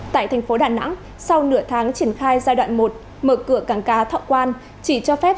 tại thành phố đà nẵng sau nửa tháng triển khai giai đoạn một mở cửa cảng cá thọ quang chỉ cho phép